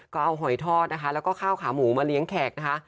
ก็เอาหอยทอดนะคะแล้วก็ข้าวขาหมูมาเลี้ยงแขกนะคะ